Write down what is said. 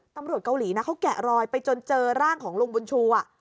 ตำรวจเกาหลีนะเขาแกะรอยไปจนเจอร่างของลุงบุญชู